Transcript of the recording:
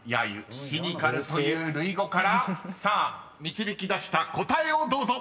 揶揄シニカルという類語からさあ導き出した答えをどうぞ］